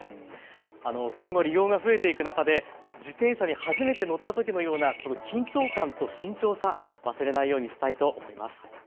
今後、利用が増えていく中で自転車に初めて乗ったときのような緊張感と慎重さ、忘れないようにしたいと思います。